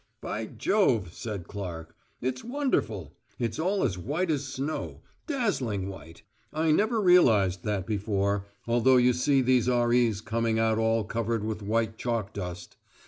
"By Jove," said Clark. "It's wonderful. It's all as white as snow, dazzling white. I never realised that before, although you see these R.E.'s coming out all covered with white chalk dust.